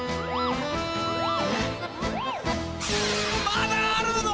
まだあるの？